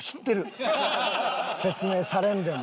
説明されんでも。